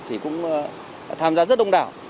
thì cũng tham gia rất đông đảo